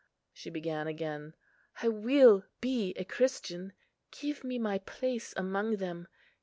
" She began again, "I will be a Christian; give me my place among them.